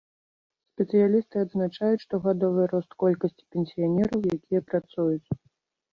Спецыялісты адзначаюць штогадовы рост колькасці пенсіянераў, якія працуюць.